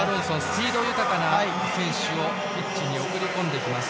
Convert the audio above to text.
スピード豊かな選手をピッチに送り込んできます。